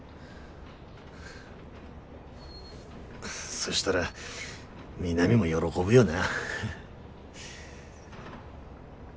そしたら美波も喜ぶよな。